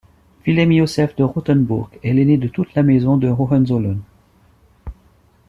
Wilhelm Josef de Rothenburg est l'aîné de toute la maison de Hohenzollern.